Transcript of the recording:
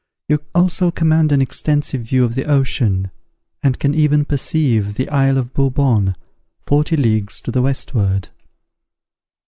You also command an extensive view of the ocean, and can even perceive the Isle of Bourbon, forty leagues to the westward.